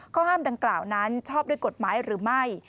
ข้อห้ามดังกล่าวนั้นชอบด้วยกฎหมายหรือไม่